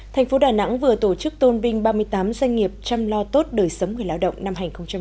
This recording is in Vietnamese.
thành phố đà nẵng vừa tổ chức tôn vinh ba mươi tám doanh nghiệp chăm lo tốt đời sống người lao động năm hai nghìn một mươi chín